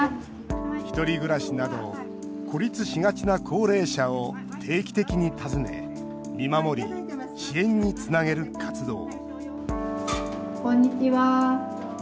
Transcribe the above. ひとり暮らしなど孤立しがちな高齢者を定期的に訪ね見守り支援につなげる活動こんにちは。